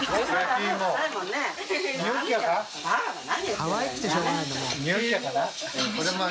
かわいくてしょうがないんだもう。